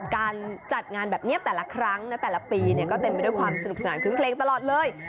การจัดงานแบบนี้แต่ละครั้งนะแต่ละปีก็เต็มไปด้วยความสนุกสนานคึ้งเคลงตลอดเลย